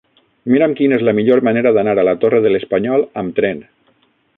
Mira'm quina és la millor manera d'anar a la Torre de l'Espanyol amb tren.